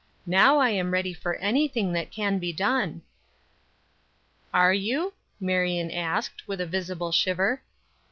Now I am ready for anything that can be done." "Are you?" Marion asked, with a visible shiver.